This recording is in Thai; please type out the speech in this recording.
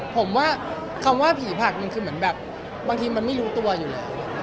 ผมว่าคำว่าผีหผักคือบางทีมันไม่รู้ตัวอยู่แล้ว